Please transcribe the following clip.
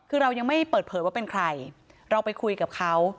คือเรายังไม่เปิดเผยว่าเป็นใครเราไปคุยกับเขา